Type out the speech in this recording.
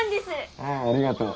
ああありがとう。